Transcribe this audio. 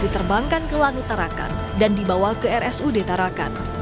diterbangkan ke lanut tarakan dan dibawa ke rsud tarakan